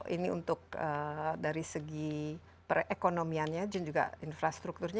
ini untuk dari segi perekonomiannya dan juga infrastrukturnya